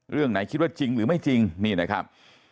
เรื่องไหนคิดว่าจริงหรือไม่จริงนี่นะครับ